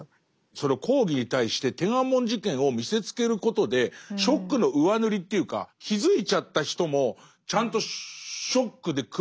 その抗議に対して天安門事件を見せつけることでショックの上塗りというか気付いちゃった人もちゃんとショックで屈服させられる。